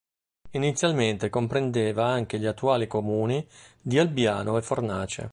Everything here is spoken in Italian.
Inizialmente comprendeva anche gli attuali comuni di Albiano e Fornace.